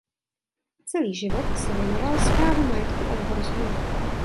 Celý život se věnoval správě majetku a jeho rozvoji.